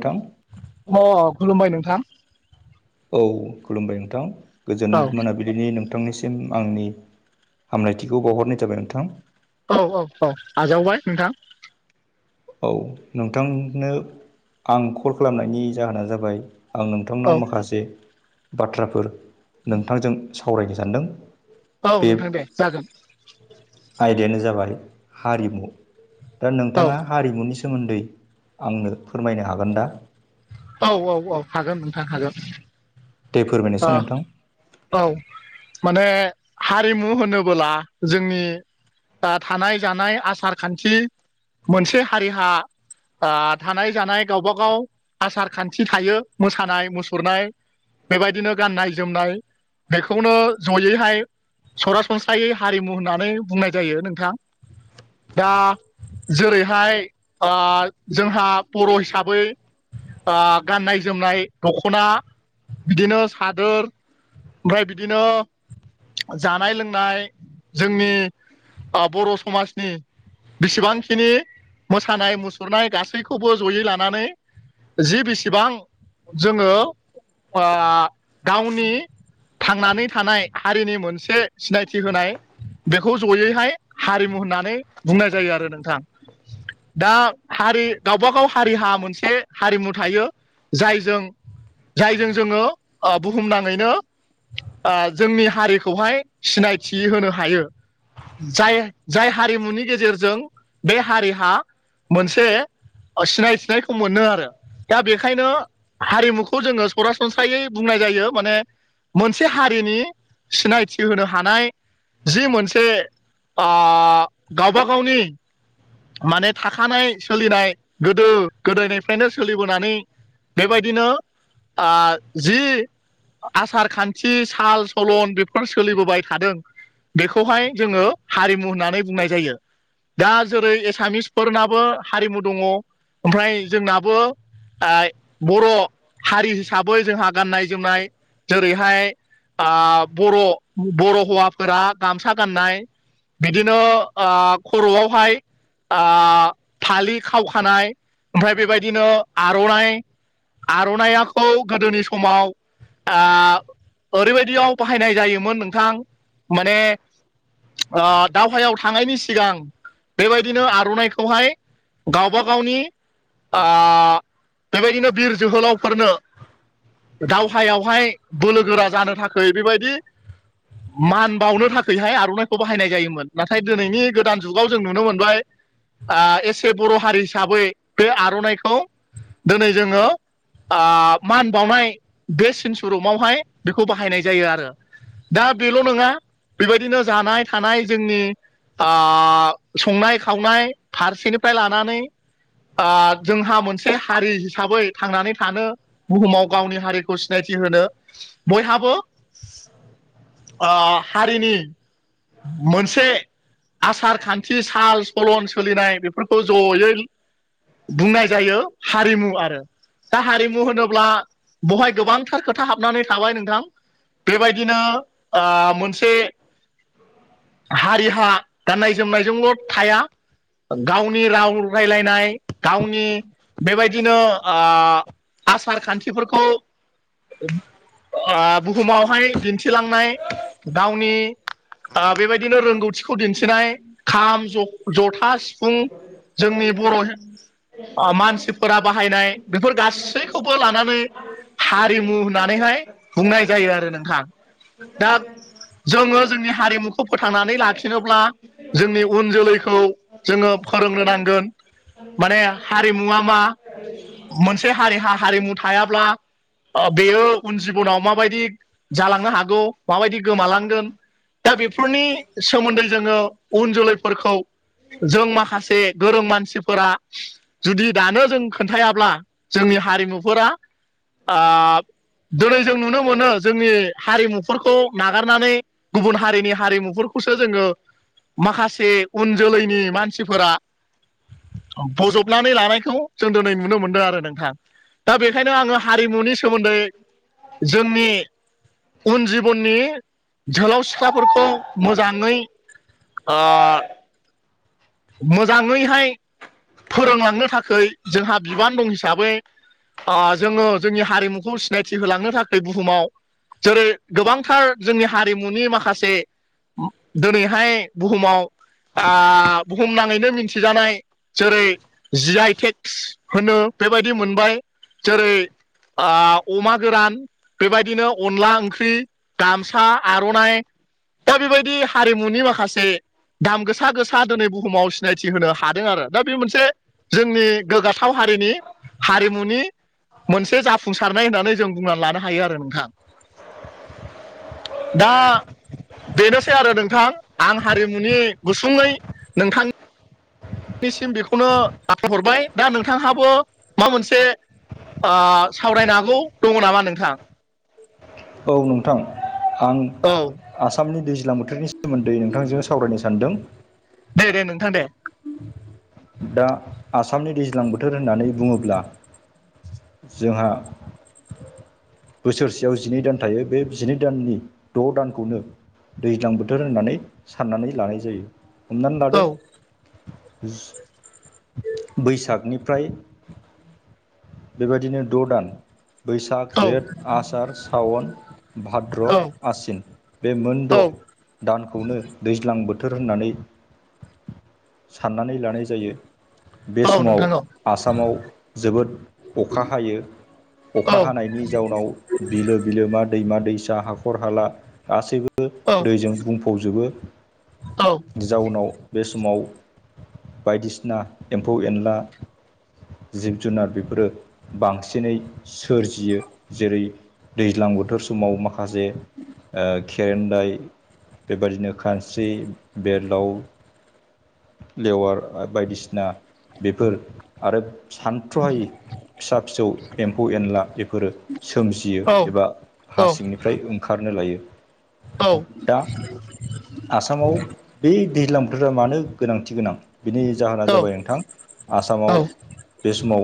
नोंथां अ खुलुमबाय नोंथां। औ खुलुमबाय नोंथां गोजोन औ मोनाबिलि। बिनि नोंथांनिसिम आंनि हामलायथिखौ बावहरनाय जाबाय नोंथां। औ औ औ आजावबाय नोंथां। औ नोंथांनो आं कल खालामनायनि जाहोना जाबाय। आं नोंथांनाव औ माखासे बाथ्राफोर नोंथांजों सावरायनो सानदों। औ बे नोंथां दे जागोन। आयदायानो जाबाय हारिमु दा औ नोंथाङा। हारिमुनि सोमोन्दै आंनो फोरमायनो हागोन दा। औ औ औ हागोन नोंथां हागोन। दै फोरमायनायसाय नोंथां। औ माने हारिमु होनोबोला जोंनि। ओ थानाय जानाय आसार खान्थि मोनसे हारिहा। ओ थानाय जानाय गावबा गाव आसार खान्थि थायो मोसानाय मुसुरनाय। बेबायदिनो गाननाय जोमनाय बेखौनो जयैहाय। सरासनस्रायै हारिमु होननानै बुंनाय जायो नोंथां दा। जेरैहाय आ जोंहा बर' हिसाबै। ओ गाननाय जोमनाय दख'ना। बिदिनो सादोर ओमफ्राय बिदिनो। ओ जानाय लोंनाय जोंनि ओ बर' समाजनि। बिसेबांखिनि मोसानाय मुसुरनाय गासैखौबो जयै लानानै। जि बिसिबां जोङो। आ गावनि। थांनानै थानाय हारिनि मोनसे सिनायथि होनाय। बेखौ जयैहाय हारिमु होननानै बुंनाय जायो आरो नोंथां। दा हारि गावबा गाव हारिहा मोनसे हारिमु थायो। जाय जों जायजों जोङो ओ बुहुमनाङैनो। ओ जोंनि हारिखौहाय सिनायथि होनो हायो। जाय जाय हारिमुनि गेजेरजों बे हारिहा मोनसे। सिनायथिनायखौ मोनो आरो दा बेखायनो हारिमुखौ जोङो। सरासनस्रायै बुंनाय जायो माने। मोनसे हारिनि सिनायथि होनो हानाय। जि मोनसे आ गावबा गावनि। माने थाखानाय सोलिनाय गोदो गोदाोनिफ्रायनो सोलिबोनानै। बेबायदिनो। आ जि। आसार खान्थि साल सलन बेफोर सोलिबोबाय थादों। बेखौहाय जोङो हारिमु होननानै बुंनाय जायो। दा जेरै एसामिसफोरनाबो हारिमु दङ ओमफ्राय जोंनाबो। बर' हारि हिसाबै जोंहा गाननाय जोमनाय जेरैहाय बर' बर' हौवाफोरा गामसा गाननाय बिदिनो खर'आवहाय फालि खावखानाय ओमफ्राय बेबायदिनो आर'नाइ आर'नाइखौ गोदोनि समाव ओरैबायदियाव बाहायनाय जायोमोन नोंथां माने दावहायाव थांनायनि सिगां बेबायदिनो आर'नाइखौहाय गावबा गावनि बेबायदिनो बिर जोहोलावफोरनो दावहायावहाय बोलो गोरा जानो थाखाय बेबायदि मान बावनो थाखायहाय आर'नाइखौ बाहायनाय जायोमोन नाथाय दिनैनि गोदान जुगाव जों नुनो मोनबाय एसे बर' हारि हिसाबै बे आर'नाइखौ दिनै जोङो मान बावनाय बे सिन सुरुमावहाय बेखौ बाहायनाय जायो आरो दा बेल' नङा बेबायदिनो जानाय थानाय जोंनि संनाय खावनाय फारसेनिफ्राय लानानै जोंहा मोनसे हारि हिसाबै थांनानै थानो बुहुमाव गावनि हारिखौ सिनायथि होनो बयहाबो हारिनि मोनसे आसार खान्थि साल सलन सोलिनाय बेफोरखौ जयै बुंनाय जायो हारिमु आरो दा हारिमु होनोब्ला अब्ला बहाय गोबांथार खोथा हाबनानै थाबाय नोंथां बेबायदिनो मोनसे हारिहा गाननाय जोमनायजोंल' थाया गावनि राव राय्लायनाय गावनि बेबायदिनो आसार खान्थिफोरखौ बुहुमावहाय दिन्थिलांनाय गावनि बेबायदिनो रोंगौथिखौ दिन्थिनाय खाम जथास फुं जोंनि बर' मानसिफोरा बाहायनाय बेफोर गासै खौबो लानानै हारिमु होननानैहाय बुंनाय जायो आरो नोंथां दा जोङो जोंनि हारिमुखौ फोथांनानै लाखिनोब्ला जोंनि उन जोलैखौ जोङो फोरोंनो नांगोन माने हारिमुवा मा मोनसे हारिहा हारिमु थायाब्ला ओ बेयो उन जिबनाव माबायदि जालांनो हागौ माबायदि गोमालांगोन। दा बेफोरनि सोमोन्दै जोङो उन जोलैफोरखौ जों माखासे गोरों मानसिफोरा जुदि दानो जों खोन्थायाब्ला जोंनि हारिमुफोरा आ दिनै जों नुनो मोनो। जोंनि हारिमुफोरखौ नागारनानै गुबुन हारिनि हारिमुफोरखौसो जोङो। माखासे उन जोलैनि मानसिफोरा बजबनानै लानायखौ जों दोनै नुनो मोनदों आरो नोंथां। दा बेखायनो आङो हारिमुनि सोमोन्दै जोंनि उन जिबननि जोहोलाव सिख्लाफोरखौ मोजाङै आ मोजाङैहाय फोरोंलांनो थाखै जोंहा बिबान दं हिसाबै आ जोङो जोंनि हारिमुखौ सिनायथि होलांनो थाखाय बुहुमाव जेरै गोबांथार जोंनि हारिमुनि माखासे दिनैहाय बुहुमाव आ बुहुमनाङैनो मोनथिजानाय जेरै जि आइ टेक्स होनो बेबायदि मोनबाय। जेरै आ अमा गोरान बेबायदिनो अनला ओंख्रि गामसा, आर'नाइ दा बेबायदि हारिमुनि माखासे दाम गोसा गोसा दिनै बुह हुमाव सिनायथि होनो हादों आरो। दा बे मोनसे जोंनि गोग्गाथाव हारिनि हारिमुनि मोनसे जाफुंसारनाय होननानै जों बुंनानै लानो हायो आरो नोंथां। दा बेनोसै आरो नोंथां। आं हारिमुनि गुसुङै नोंथां निसिम बेखौनो आखाय हरबाय दा नोंथांहाबो मा मोनसे आ सावरायनो हागौ दङ नामा नोंथां? औ नोंथां आं औ आसामनि दैज्लां बोथोरनि सोमोन्दै नोंथांजों सावरायनो सानदों। दे दे नोंथां दे। दा आसामनि दैज्लां बोथोर होननानै बुङोब्ला। जोंहा बोसोरसेयाव जिनै दान थायो। बे जिनै दाननि द' दानखौनो दैज्लां बोथोर होननानै साननानै लानाय जायो। हमनानै औ लादो जु बैसागनिफ्राय बेबायदिनो द' दान बैसाग, औ जेद, आसार, सावन, भाद्र, औ आसिन बे मोन औ द' दानखौनो दैज्लां बोथोर होननानै साननानै लानाय जायो। बे औ समाव नोंथां औ आसामाव जोबोद अखा हायो। अखा औ हानायनि जाउनाव बिलो बिलो मा दैमा दैसा हाखर हाला गासैबो बो औ दैजों बुंफब जोबो। औ जाउनाव बे समाव बायदिसिना एम्फौ एनला जिब जुनार बेफ फोरो बांसिनै सोरजियो। जेरै दैज्लां बोथोर समाव माख खासे ओ खेरेन्दाय बेबायदिनो खानस्रि बेरलाव लेवार ओ बायदिसिना बेफोर आरो सान्थ्र'हायि फिसा फिसौ एम्फौ एनला बेफोरो सोमजियो औ एबा औ हा सिंनि फ्राय ओंखारनो लायो। दा आसामाव बे दैज्लां बोथोरा मानो गोनांथि गोनां। बिनि जाहोना जाबाय नोंथां औ आसामाव बे समाव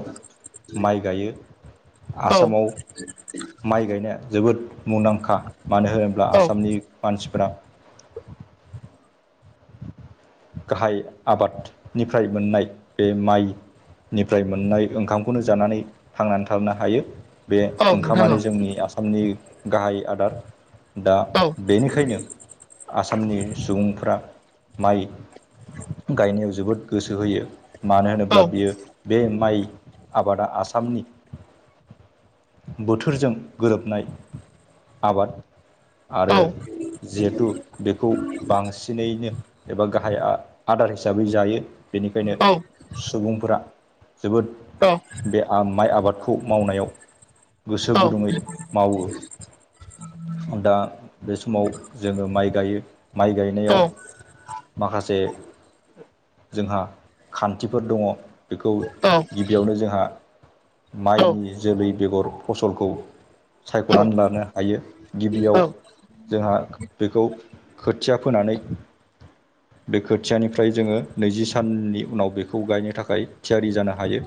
माइ गायो औ आसामाव माइ गायनाया जोबोद मुंदांखा। मानो होनोब्ला औ आसामनि मानसिफोरा गाहाय आबादनिफ्राय मोननाय बे माइ निफ्राय मोननाय ओंखामखौनो जानानै थांनानै थानो हायो बे औ नोंथां औ ओंखामानो जोंनि आसामनि गाहाय आदार दा औ बेनिखायनो आसामनि सुबुंफोरा माइ गायनायाव जोबोद गोसो होयो मानो औ होनोब्ला औ बियो बे माइ आबादा आसामनि बोथोरजों गोरोबनाय आबाद आरो औ औ जिहेथु बेखौ बांसिनैनो एबा गाहायआ आदार हिसाबै जायो बेनिखायनो। सुबुंफोरा जोबोद औ बे माइ आबादखौ मावनायाव गोसो गुदुङै मावो दा बे समाव जोङो माइ गायो माइ गायनायाव माखासे जोंहा खान्थिफोर दङ बेखौ औ बेयावनो जोंहा औ माइनि जोलै बेगर फसलखौ औ सायख'नानै लानो हायो औ गिबियाव जोंहा बेखौ खोथिया फोनानै बे खोथियानिफ्राय जोङो नैजि साननि उनाव बेखौ गायनो थाखाय थियारि जानो होन हायो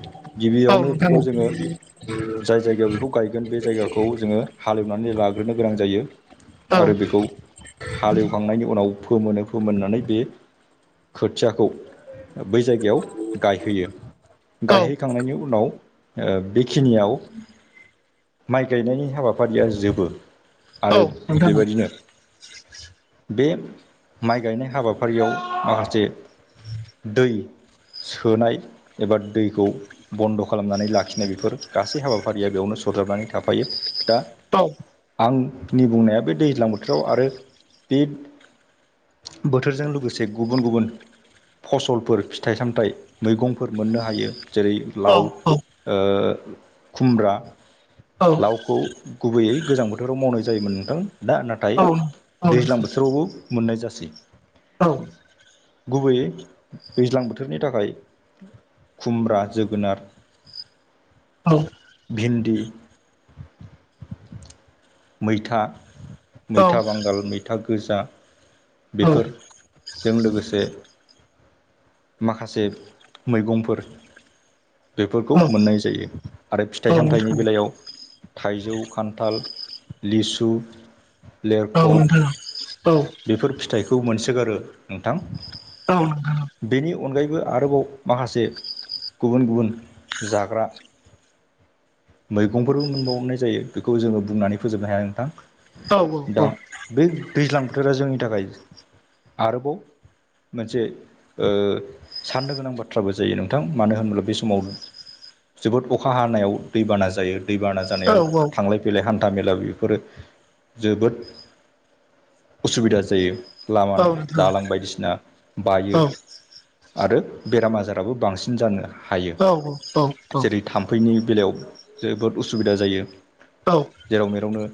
औ गिबियावनो नोंथां बेखौ जोङो [inaudible] जाय जायगायाव बेखौ गायगोन बे जायगाखौ जोङो हालेवनानै लाग्रोनो गोनां जायो। औ आरो बेखौ हालेवखांनायनि उनाव फोमोनो फोमोननानै बे खोथियाखौ बै जायगायाव गायहैयो औ गायहैखांनायनि उनाव बेखिनियाव [inaudible] माइ गायनायनि हाबाफारिया जोबो औ आरो नोंथां बेबायदिनो बे माइ गायनाय हाबाफारियाव माखासे दै सोनाय एबा दैखौ बन्द' खालामनानै लाखिनाय बेफोर गासै हाबाफारिया बेयावनो स फोद्राबनानै थाफायो दा औ आंनि बुंनाया बे दैज्लां बोथोराव आरो बे बोथोरजों लोगोसे गुबुन गुबुन फसलफोर फिथाइ सामथाइ मैगंफोर मोननो हायो जेरै लाव खुमब्रा औ गावखौ गुबैयै गोजां बोथोराव मावनाय जायोमोन नोंथां दा नाथाय औ नोंथां औ दैज्लां नोंथां बोथोरावबो मोननाय जासै औ गुबैयै दैज्लां बोथोरनि थाखाय खुमब्रा जोगोनार औ भिन्दि मैथा मैथा बांगाल मैथा गोजा बेफोरजों लोगोसे माखासे मैगंफोर बेफोरखौ मोननाय जायो आरो फिथाइ सामथायाइनि बेलायाव थाइजौ खान्थाल लिसु लेरख' बेफोर फिथाइखौ मोनसोगारो नोंथां औ बेनि अनगायैबो आरोबाव माखासे गुबुन गुबुन जाग्रा मैगंफोरबो मोनबावनाय जायो बेखौ जोङो बुंनानै फोजोबनो हाया नोंथां दा औ बे दैज्लां बोथोरा जोंनि थाखाय आरोबाव मोनसे ओ साननो गोनां बाथ्राबो जायो नोंथां मानो होनोब्ला बे सम समाव जोबोद अखा हानायाव दैबाना जायो दैबाना जानायाव थांलाय फैलाय हान्था मेला इफोरो जोबोद उसुबिदा जायो लामा दालां बायदिसिना बायो आरो बेराम आजाराबो बांसिन जानो हायो औ औ औ जेरै थाम्फैनि बेलायाव जोबोद उसुबिदा जायो औ जेराव मेरावनो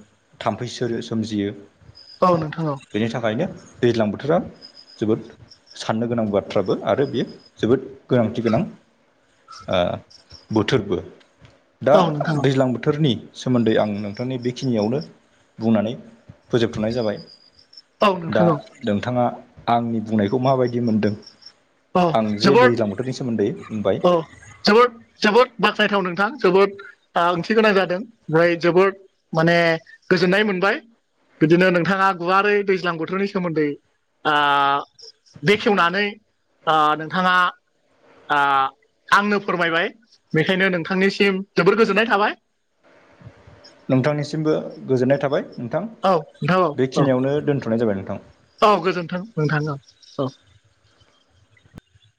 थाम्फै सोर सोमजियो औ नोंथां बेनि थाखायनो दैज्लां बोथोरा जोबोद साननो गोनां बाथ्राबो आरो बेयो जोबोद गोनांथि गोनां बोथोरबो दा दैज्लां बोथोरनि सोमोन्दै आं नोंथांनि बेखिनियावनो बुंनानै फोजोबथ'नाय जाबाय दा नोंथाङा आंनि बुंनायखौ माबायदि मोनदों अ आं जे जोबोद दैज्लां बोथोरनि सोमोन्दै बुंबाय औ जोबोद जोबोद बाखनायथाव नोंथां जोबोद आ ओंथि गोनां जादों ओमफ्राय जोबोद माने गोजोननाय मोनबाय बिदिनो नोंथाङा गुवारै दैज्लां बोथोरनि सोमोन्दै आ बेखेवनानै ओ नोंथाङा ओ आंनो फोरमायबाय बेखायनो नोंथांनिसिम जोबोर गोजोननाय थाबाय नोंथांनिसिमबो गोजोननाय थाबाय नोंथां औ नोंथां औ बे खिनियावनो दोनथ'नाय जाबाय नोंथां औ गोजोन्थों नोंथा औ